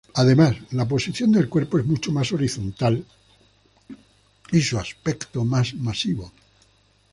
Además la posición del cuerpo es mucho más horizontal y su aspecto más masivo.